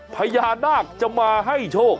พญานาคจะมาให้โชค